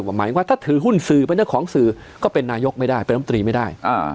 หมายถึงว่าถ้าถือหุ้นสื่อเป็นเจ้าของสื่อก็เป็นนายกไม่ได้เป็นรัฐมนตรีไม่ได้